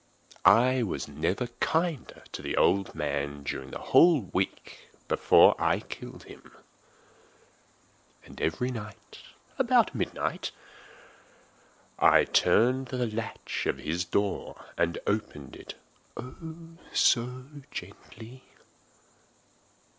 I was never kinder to the old man than during the whole week before I killed him. And every night, about midnight, I turned the latch of his door and opened it—oh, so gently!